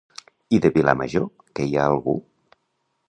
I de Vilamajor, que hi ha algú?